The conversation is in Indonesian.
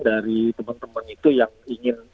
dari teman teman itu yang ingin